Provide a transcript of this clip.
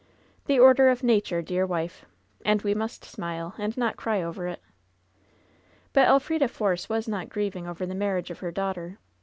The order of nature, dear wife ! And we must smile and not cry over it." But Elf rida Force was not grieving over the marriage of her daughter.